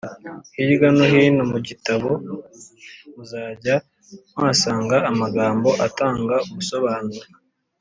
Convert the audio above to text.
Hirya no hino mu gitabo, muzajya muhasanga amagambo atanga ubusobanuro.